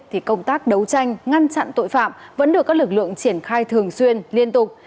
thì công tác đấu tranh ngăn chặn tội phạm vẫn được các lực lượng triển khai thường xuyên liên tục